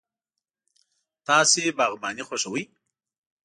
تاسو باغباني خوښوئ؟